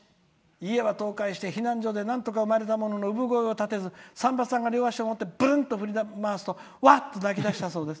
家は倒壊して避難所でなんとか産まれたものの産声を立てず、産婆さんが両足を持って、振り回すとうわっと泣き出したそうです。